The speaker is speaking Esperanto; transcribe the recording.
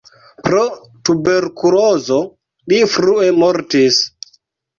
Pro tuberkulozo li frue mortis.